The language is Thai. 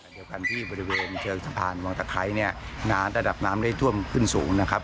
เดียวกันที่บริเวณเชิงสะพานวังตะไคร้เนี่ยน้ำระดับน้ำได้ท่วมขึ้นสูงนะครับ